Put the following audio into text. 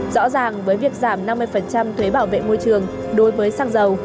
rõ ràng với việc giảm năm mươi thuế bảo vệ môi trường đối với xăng dầu